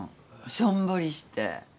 しょんぼりして。